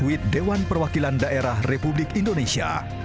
insiders with dewan perwakilan daerah republik indonesia